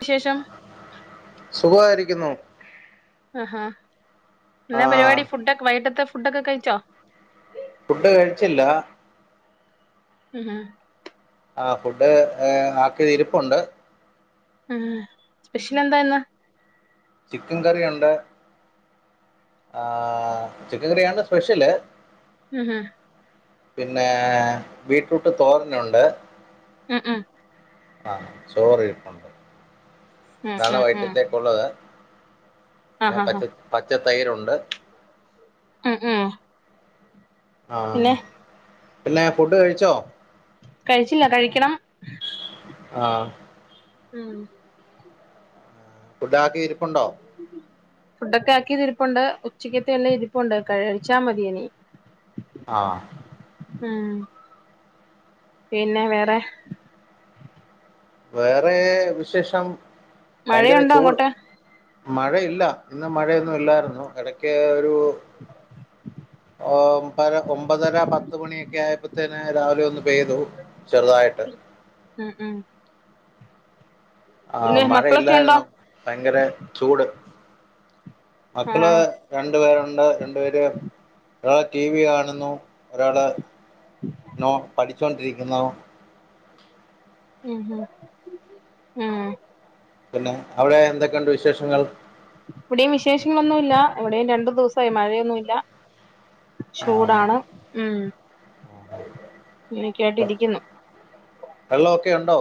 വിശേഷം സുഖവായിരിക്കുന്നു ആഹാഹ് എന്നാ പരിവാടി ഫുഡൊക്ക് വൈകിട്ടത്തെ ഫുഡൊക്കെ കഴിച്ചോ ഫുഡ് കഴിച്ചില്ല ഉം ഹും ആഹ് ഫുഡ് ഏ ആക്കി ഇരിപ്പുണ്ട് ആഹ് സ്പെഷ്യൽ എന്താ ഇന്ന് ചിക്കൻ കറിയുണ്ട് ആഹ് ചിക്കൻ കറിയാണ് സ്പെഷ്യല് ഉം ഹും പിന്നെ ബീറ്റ്റൂട്ട് തോരനുണ്ട് ആഹ് ആഹ് ആഹ് ചോറിരിപ്പുണ്ട് ഉം താണ് ഉം ഉം വൈറ്റത്തേക്കുള്ളത് പിന്നെ ആഹാ ഹാ പച്ച പച്ച തൈരുണ്ട് ഉം ഉം പിന്നെ ആഹ് പിന്നെ ഫുഡ് കഴിച്ചോ കഴിച്ചില്ല കഴിക്കണം ആഹ് ഉം ഫുഡ് ആക്കി ഇരിപ്പുണ്ടോ [inaudible] ഫുഡൊക്കെ ആക്കി ഇതിരിപ്പുണ്ട് ഉച്ചക്കത്തെന്നെ ഇരിപ്പുണ്ട് ക-അ-ഴിച്ചാ മതി ഇനി ആഹ് ഉം പിന്നെ വേറെ വേറെ വിശേഷം വയങ്കര മഴയുണ്ടോ ചൂട് അങ്ങോട്ട് മഴയില്ല ഇന്ന് മഴയൊന്നു ഇല്ലായിരുന്നു എടക്ക് ഒരു [inaudible] ഓമ്പര ഒമ്പതര പത്ത് മണിയെ ക്കെയായപ്പോതേന് രാവിലെ ഒന്ന് പെയ്തു ചെറുതായി ഉം ഉം പിന്നെ ആഹ് മക്കളൊക്കെ ഉണ്ടോ മഴയില്ലാരുന്നു ഭയങ്കര ചൂട് മക്കള് ആഹ് രണ്ട് പേരോണ്ട് രണ്ടു പേര് ഇടെ ടിവി കാണുന്നു ഒരാള് നോ പഠിച്ചോണ്ടിരിക്കുന്നു ഉം ഉം ആഹ് പിന്നെ അവടെ എന്തൊക്കെണ്ട് വിശേഷങ്ങൾ ഇവടേം വിശേഷങ്ങളൊന്നുല്ല ഇവടേം രണ്ടു ദിവസായി മഴയൊന്നുല്ല ആ ചൂടാണ് ഉം ഇങ്ങനിക്യാട്ട് ഇരിക്കുന്നു വെള്ളോക്കെയൊണ്ടോ?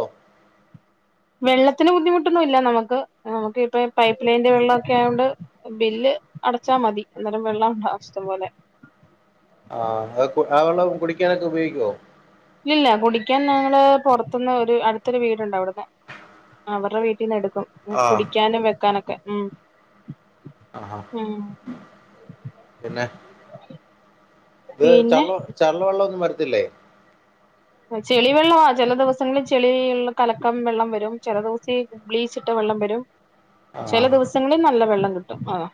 വെള്ളത്തിന് ബുദ്ധിമുട്ടൊന്നുല്ല നമുക്ക് നമുക്ക് ഇപ്പ ഈ പൈപ്പ് ലൈന്റെ വെള്ളോക്കെ ആയോണ്ട് ബില്ല് അടച്ചാ മതി അന്നേരം വെള്ളം ണ്ടാ ഷ്ടം പോലെ ആഹ് അ കു ആ വെള്ളം കുടിക്കാനൊക്കെ ഉപയോയ്ക്കോ ഇല്ലില്ല കുടിക്കാൻ ന്നങ്ങള് പൊറത്തുന്ന് ഒരു അടുത്തൊരു വീടുണ്ട് അവ്ടന്ന് അവറ്ടെ വീട്ടീന്ന് എടുക്കും ആ കുടിക്കാനും വെക്കാനൊക്കെ ഉം. ആഹാ ഉം പിന്നെ ഇത് പിന്നെ ചള്ള ചള്ളവെള്ളവൊന്നും വരത്തില്ലേ? ചെളിവെള്ളവാ ചെല ദേവസങ്ങളിൽ ചെളി ഇള്ള കലക്കം വെള്ളം വരും ചെല ദേവസി ബ്ലീച്ചിട്ടാ വെള്ളം വരും ചെല ആ ദിവസങ്ങളി നല്ല വെള്ളം കിട്ടും ആഹ്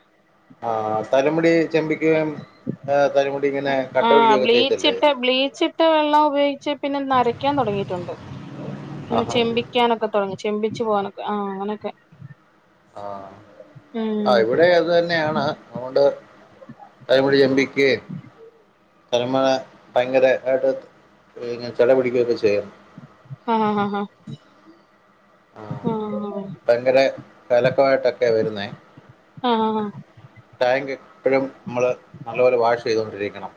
ആഹ് തലമുടി ചെമ്പിക്കേം ഏഹ് തലമുടി ഇങ്ങനെ കട്ട ആഹ് പിടിക്കുകയൊക്കെ ചെയ്യത്തില്ലേ ബ്ലീച്ചിട്ട ബ്ലീച്ച് ട്ടാ വെള്ളം ഉപയോഗിച്ച് പിന്നെ നരയ്ക്കാൻ തൊടങ്ങിട്ടോണ്ട് പിന്നെ ആഹാ ചെമ്പിക്കാനൊക്കെ തൊടങ്ങി ചെമ്പിച്ചു പോകനക്കെ ആഹ് അങ്ങനെക്കെ ആഹ് ആഹ് ഇവടെ അത് തന്നെയാണ്. അതുകൊണ്ട് തലമുടി ചെമ്പിക്കേം തലമ്മ ഭയങ്കര അയിട്ട് പിന്നെ ചടപിടിക്കുയൊക്കെ ചെയ്യും. ആഹ് ആഹ് ആഹ് ആഹ് ഭയങ്കര കലക്കവായിട്ടൊക്കെയാ വരുന്നേ ടാങ്ക് എപ്പോഴും നമ്മള് നല്ലപോലെ വാഷ് ചെയ്തുകൊണ്ടിരിക്കണം.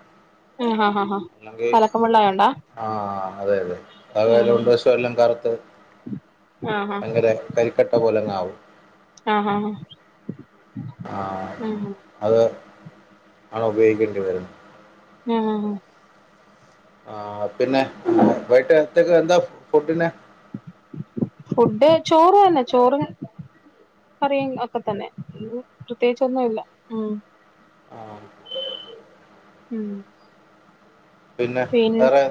ആഹ് ആഹ് ആഹ് ഇല്ലങ്കി ആഹ് അതെ അതെ. ഉം അതുവല്ല ഉൾവശം എല്ലാം കറുത്ത് ആ ആ അങ്ങനെ കരിക്കട്ട പോലങ്ങാവും. ആ ആ ആഹ് ഉം അത് ആണ് ഉപയോഗിക്കേണ്ടി വരുന്നേ ആഹ് ആഹ് ആഹ് പിന്നെ വയ്ട്ടത്തക്കെന്താ ഫുഡിന്? ഫുഡ് ചോറ്ന്നെ ചോറും കറിയും ഒക്കെ തന്നെ പ്രത്യേകിച്ചൊന്നുവില്ല ഉം ആഹ് ഉം പിന്നെ വേറെ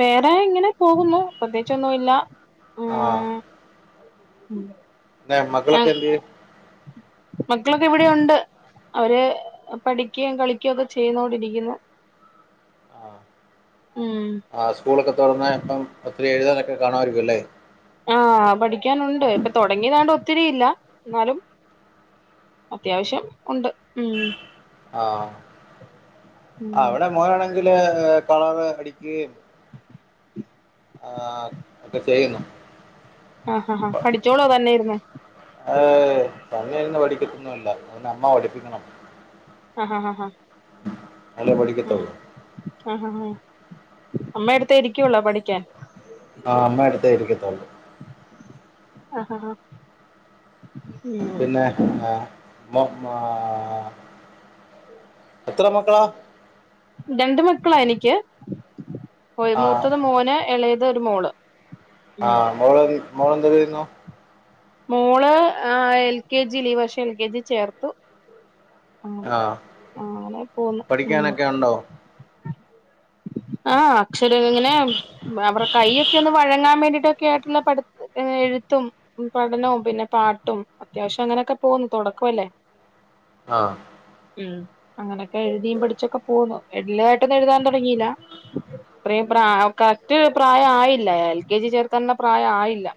വേറെ ഇങ്ങനെ പോകുന്നു പ്രത്യേകിച്ചൊന്നുവില്ല. ആഹ് ഉം പിന്നെ മക്കളക്കെന്തിയെ? മക്കളൊക്കെ ഇവിടെയൊണ്ട്. അവര് പഠിക്കേം കളിക്കേയൊക്കെ ചെയ്യതോണ്ടിരിക്കുന്നു. ഉം ആഹ് സ്കൂളൊക്കെ തൊറന്ന് ഇപ്പം ഒത്തിരി എഴുതന്നൊക്കെ കാണുവാരിക്കുല്ലേ? ആഹ് പഠിക്കാനൊണ്ട് ഇപ്പോ തൊടങ്ങിയതാണ്ട് ഒത്തിരി ഇല്ല എന്നാലും അത്യാവശ്യം ഉണ്ട് ഉം. ആഹ ആ ഉം അവിടെ മോനണെങ്കില് കളർ അടിക്കുകയും ആ ഒക്കെ ചെയ്യുന്നു. ആഹ ആ ആാ പഠിച്ചോളോ തന്നെയിരുന്ന്? ഏ തന്നേന്ന് പഠിക്കത്തൊന്നല്ല അന്വനെ അമ്മ പഠിപ്പിക്കണം. ആ ഹാ ആ ആ ന്നലെ പഠിക്കത്തോള്ളൂ. ആ ഹ ഹ അമ്മയോടുത്ത് ഇരിക്കുവുള്ളോ പഠിക്കാൻ? ആഹ് അമ്മമടെ അടുത്താ ഇരിക്കത്തള്ളൂ. ആഹ് ആഹ് ഉം പിന്നെ ആ മാ എത്ര മക്കളാ? രണ്ട് മക്കളാ എനിക്ക് ആ മൂത്തത് മോന് ഇളയത് ഒരു മോള്. [inaudible] ആഹ് മോള് എ മോള് എന്ത്യ്യുന്നു? മോള് ആഹ് എൽ കെ ജിൽ ഈ വർഷം എൽ കെ ജി ചേർത്തു. ആ ആഹ് ആഹാ അങ്ങനെ പോന്ന് ഉമ് പഠിക്കാനൊക്കെ ഉണ്ടോ ആഹ് അക്ഷര ഇങ്ങനെ അവർ കൈഒക്കെ ഒന്ന് വഴങ്ങാൻ വേണ്ടിട്ടൊക്കെ ആയിട്ടുള്ള പഠി ഹേ എഴുത്തും പഠനവും പിന്നെ പാട്ടും അത്യാവശ്യം അങ്ങനെക്കെ പോകുന്നു തൊടക്കല്ലേ. ആഹ് ഉം അങ്ങനക്കെ എഴ്തീ പട്ച്ചൊക്കെ പോന്നു എട്ലായിട്ടൊന്നും എഴുതാൻ തുടങ്ങിയില്ല. പ്രേം പ്രാ കറ്റ് പ്രായം ആയില്ല എൽ കെ ജി ചേർക്കാനുള്ള പ്രായ ആയില്ല.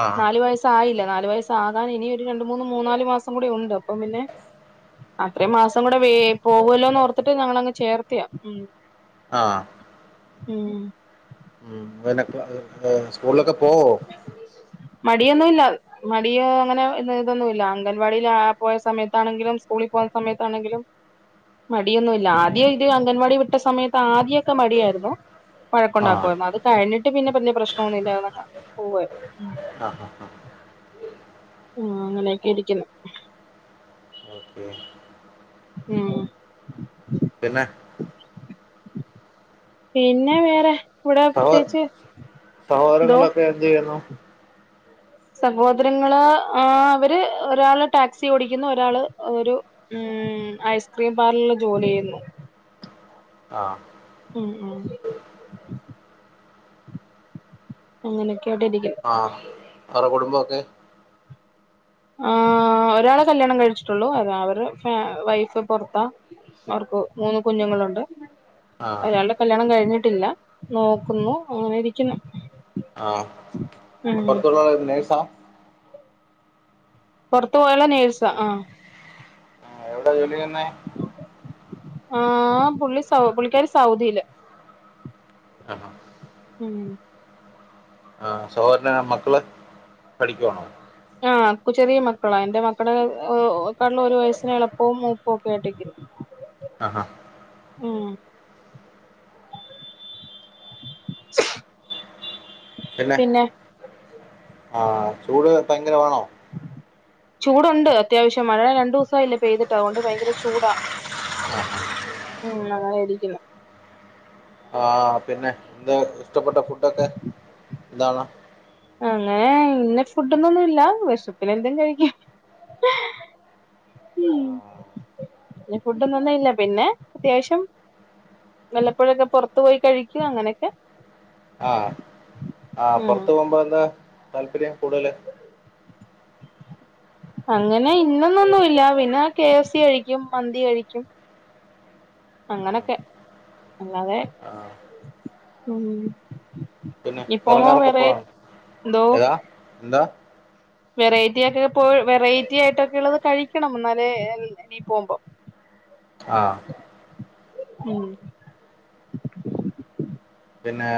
ആഹ് നാലു വയസ്സായില്ല നാലു വയസ്സാകാൻ ഇനി ഒരു രണ്ട മൂന്ന് മൂന്നാല് മാസം കൂടി ഉണ്ട് അപ്പം പിന്നെ അത്രയും മാസം കൂടെ വേ പോകല്ലോന്ന് ഓർത്തിട്ട് ഞങ്ങളങ്ങ് ചേർത്തിയാ ഉം. ആഹ് ഉം ഉം പിന്നെ പ്പാ സ്‌കൂള്ലക്കെ പോവോ? മടിയൊന്നുംല്ല മടിയ അങ്ങനെ ത് ഇതൊന്നുല്ല അംഗൻവാടിൽ ആഹ് പോയ സമയത്താണെങ്കിലും സ്കൂള് പോയ സമയത്താണെങ്കിലും മടിയൊന്നുല്ല ആദ്യം ഇത് അംഗൻവാടി വിട്ട സമയത്ത് ആദ്യൊക്കെ മടിയായിരുന്നു. ആഹ് വഴക്ക്ണ്ടാക്കുവായിരുന്നു അത് കഴിഞ്ഞിട്ട് പിന്നെ പിന്നെ പ്രശ്നൊന്നുല്ല പോവേ ആഹ് ഹാ ഹാ ആഹാ അങ്ങനെയൊക്കെ ഇരിക്കുന്നു [unintelligible] ഉം പിന്നെ? പിന്നെ വേറെ? ഇവിടെ സഹോ പ്രത്യേകിച്ച് എന്തോ സഹോരങ്ങളക്കെ എന്ത് യ്യുന്നു? സഹോദരങ്ങള് ആഹാ അവര് ഒരാള് ടാക്സി ഓടിക്കുന്നു ഒരാള് ഒരു ഉം ഐസ്ക്രീം പാർല് ജോലി യ്യുന്നു. ആഹ് ഉം ഉം അങ്ങനെക്കായിട്ട് ഇരിക്കുന്നു. അറ കുടുംബൊക്കെ? ആഹാ ഒരാള് കല്യാണം കഴിച്ചിട്ടുള്ളു അത അവര് വൈഫ് പൊർത്താ. അവർക്ക് മൂന്ന് കുഞ്ഞുങ്ങളുണ്ട്. ആഹ് അയാള്ടെ കല്യാണം കഴിഞ്ഞിട്ടില്ല നോക്കുന്നു അങ്ങനെ ഇരിക്കുന്നു. ആഹ് ഉം പൊർത്തുള്ളാ ള് നേഴ്സാ? പൊർത്ത് പോയാള് നേഴ്സാ ആഹ് എവിടൊ ജോലി ചെയ്യുന്നേ ആഹ് പുള്ളി സൗ പുള്ളിക്കാരി സൗദിലാ. ആണോ ഉം ആഹാ സഹോരന്റെ മക്കള് പഠിക്കവാണോ ആഹ് ചെറിയ മക്കളാ എന്റെ മക്കള ക്കാളും ഒരു വയസ്സ്ന് എളുപ്പവും മൂപ്പും ഒക്കെ ആയിട്ടാ രിക്ക്ന്ന്. ആഹാ ആഹാ ഉം പിന്നെ ആഹ് ചൂട് ഭയങ്കര മാണോ? ചൂടുണ്ട് അത്യാവശ്യം, മഴ രണ്ടൂസായില്ലേ പെയ്തിട്ട് അതോണ്ട് ഭയങ്കര ചൂടാ. [inaudible] ഉം അങ്ങനെ ഇരിക്കും ആഹ് പിന്നെ ഇന്ന് ഇഷ്ടപ്പെട്ട ഫുഡൊക്കെ എന്താണ്. അങ്ങനെ ഇന്ന ഫുഡ്ന്നൊന്നു ഇല്ല. വെശപ്പിന് എന്തും കഴിക്കും. ഉം. ഇല്ല. ഫുഡ് ഇന്നൊന്നും ഇല്ല, പിന്നെ അത്യാവശ്യം വല്ലപ്പോഴൊക്കെ പുറത്ത് പോയി കഴിക്കും അങ്ങനെയൊക്കെ ആഹ് ആ ഉം പുറത്ത് പോകുമ്പോ എന്താ താല്പര്യം കൂടുതല്. അങ്ങനെ ഇന്നന്നൊന്നുല്ല പിന്നെ കെ എഫ് സി കഴിക്കും മന്തി കഴിക്കും. ആ അങ്ങനൊക്കെ അല്ലാതെ ആ ഉം ഇപ്പമോ ഒറങ്ങാരൊക്കെ വെറൈ പോവ ഴാ എന്തോ ഏതാ എന്താ വെറൈറ്റി ഒക്കെ പോ വെറൈറ്റി ആയിട്ടൊക്കെ ഉള്ളത് കഴിക്കണം എന്നാലേ ഇനി പോകുമ്പോം [inaudible] ആഹ് ഉം പിന്നെ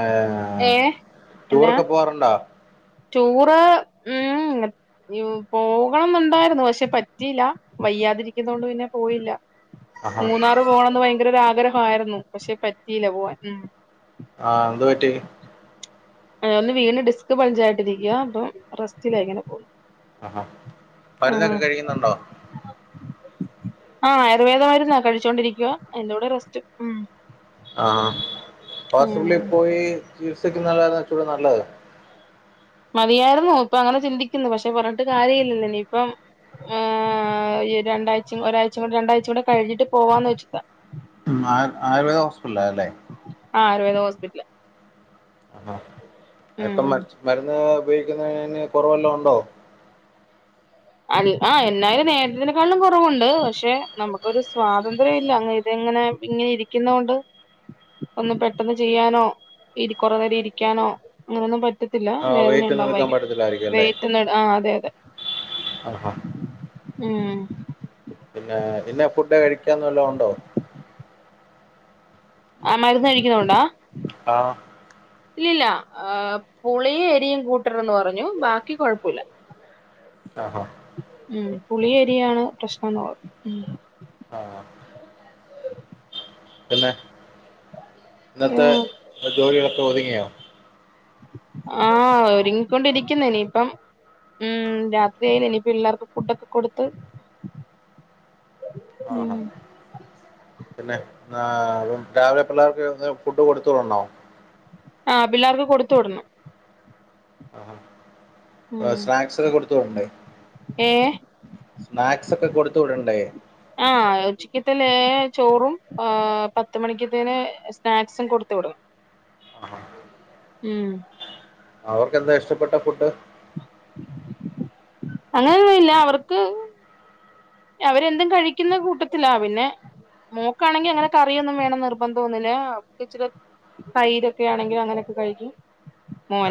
ഏ ടൂറൊക്കെ പോവാറുണ്ടോ? ടൂർ ഉം എ പോകണന്നുണ്ടായിരുന്നു പക്ഷെ പറ്റിയില്ല വയ്യാതിരിക്കുന്നത് കൊണ്ട് പിന്നെ പോയില്ല. ആഹാ മൂന്നാറ് പോകണന്ന് ഭയങ്കരാഗ്രഹമായിരുന്നു പക്ഷെ പറ്റിയില്ല പോവാൻ ഉം ആഹ് എന്ത് പറ്റി ആഹ് ഒന്ന് വീണ് ഡിസ്ക് പഞ്ച ആയിട്ടിരിക്ക അപ്പൊ റസ്റ്റില എങ്ങനെ പോകുന്നു ആഹ് ആഹ് മരുന്നോക്കെ കഴിയുന്നുണ്ടോ? ആഹ് ആഹ് ആയുർവേദമരുന്ന് കഴിച്ചോണ്ടിരിക്കുവാ അതിന്റെ കൂടെ റെസ്റ്റ് ഉം ആഹ് ഉം ഹോസ്‌പിറ്റലിലൊക്കെ പോയി ചികിത്സിക്കുന്നതല്ലേ കൊറച്ചോടെ നല്ലത് മതിയായിരുന്നു ഇപ്പ അങ്ങനെ ചിന്തിക്കുന്നു പക്ഷെ പറഞ്ഞിട്ട് കാര്യം ഇല്ലല്ലോ ഇനിയിപ്പം. ആഹ് ഒരു രണ്ടാഴ്ച ഒരാഴ്ചകൂ രണ്ടാഴ്ച കൂടെ കഴിഞ്ഞിട്ട് പോവാന്ന് വെച്ചിട്ടാ. ആയുർവേദ ഹോസ്പിറ്റ്ല അല്ലേ ആഹ് ആയുർവേദ ഹോസ്പിഹറ്റ്ല പ്പം മരുന്ന് ഉപയോഗിക്കുന്നതിന് കുറവല്ലാം ഉണ്ടോ? അല്ല ആ എന്നായാലും നേരത്തെക്കാളിലും കുറവുണ്ട് പക്ഷെ നമുക്കൊരു സ്വാതന്ത്ര്യം ഇല്ല അങ്ങനെ ഇതെങ്ങനെ ഇങ്ങനെ ഇരിക്കുന്ന കൊണ്ട് ഒന്ന് പെട്ടെന്ന് ചെയ്യാനോ കൊറ നേരം ഇരിക്കാനോ അങ്ങനെ ഒന്നും പറ്റ പറ്റത്തില്ല ആ വേദന വെയിറ്റ് ഒന്നും ഉണ്ടാവും എടുക്കാൻ ഭയങ്കര പറ്റത്തില്ലായിരിക്കും വറ്റ് ആ അതെ അതെ ആഹ് ആഹ് ഉം പിന്നെ പിന്നെ ഫുഡ് കഴിക്കാന്നല്ലാം ഉണ്ടോ ആ മരുന്ന് കഴിക്കുന്നോണ്ടാ? ആഹ് ഇല്ലല്ല ഏഹ് പുളിയും എരിയും കൂട്ടരുത് ന്ന് പറഞ്ഞു ബാക്കി കുഴപ്പമല്ല ആഹോ ഉം പുളിയും എരിയാണ് പ്രശ്നംന്ന് പറഞ്ഞു ആ പിന്നെ ഇന്നത്തെ ഉം ജോലികളൊക്കെ ഒതുങ്ങിയോ ആ ഒരുങ്ങിക്കൊണ്ടിരിക്കുന്നു ഇനിയിപ്പം ഉം രാത്രിയായില്ലേ ഇനിയിപ്പ പിള്ളേർക്ക് ഫുഡൊക്കെ കൊടുത്ത് ഉം ആഹാ പിന്നെ ആ രാവിലെ പിള്ളേർക്ക് ഫുഡ് കൊടുത്തുവിടണോ ആ പിള്ളേർക്ക് കൊടുത്തുവിടണം ആ ഉം സ്നാക്സൊക്കെ കൊടുത്തുവിടണ്ടേ ഏ സ്നാക്സൊക്കെ കൊടുത്തു വിടണ്ടേ ആ ഉച്ചക്കത്തിന് ചോറും പത്തു മണിക്കത്തേന് സ്നാക്സും കൊടുത്തുവിടും ഉം അവർക്കെന്താ ഇഷ്ടപ്പെട്ട ഫുഡ് അങ്ങനെയൊന്നുല്ല അവർക്ക് അവരെന്തും കഴിക്കുന്ന കൂട്ടത്തിലാ പിന്നെ മോക്കാണെങ്കി അങ്ങനെ കറിയൊന്നും വേണന്നുനിർബന്ധൊന്നുമില്ലാ അവക്ക് ഇച്ചിരെ തൈരൊക്കെ ആണെങ്കിലും അങ്ങനെയൊക്കെ കഴിക്കും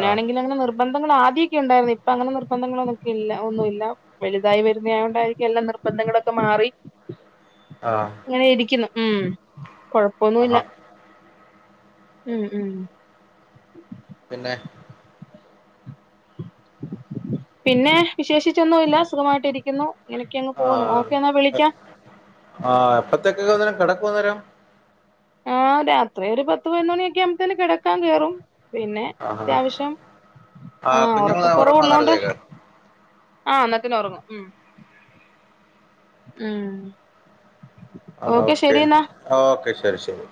ആ അങ്ങനെ നിർബന്ധങ്ങൾ ആദ്യൊക്കെ ഒണ്ടായിരുന്നു ഇപ്പൊ അങ്ങനെ നിർബന്ധങ്ങളൊക്കെ ഇല്ല ഒന്നുമില്ല വലുതായി വരുന്നായകൊണ്ടായിരിക്കും എല്ലാം നിർ ബന്ധങ്ങളൊക്കെ മാറി ആ അങ്ങനെ ഇരിക്കുന്നു ഉം കൊഴപ്പൊന്നുമില്ല ആ ഉം ഉം പിന്നെ പിന്നെ വിശേഷിച്ചൊന്നുമില്ല സുഖമായിട്ടിരിക്കുന്നു ആ ഇങ്ങനക്കെയങ്ങുപോകുന്നു ഓക്കെ എന്നാ വിളിക്കാം ആ എപ്പത്തേക്കക്കന്നേരം കെടക്കും അന്നേരം ആ രാത്രി ഒരു പത്തുപതിനൊന്നു മണിയൊക്കെ ആമ്പത്തേനു കെടക്കാൻ കേറും പിന്നെ ആ അത്യാവശ്യം ആ കുഞ്ഞുങ്ങൾ ഒറക്ക ഉറങ്ങുമോ കൊറവൊള്ളോണ്ട് അന്നേരത്തേക്ക് ആ അന്നാത്തിന് ഒറങ്ങും ഉം ഉം ആ ഓക്കെ ശരി എന്നാ ആ ഓക്കെ ശെരി ശെരി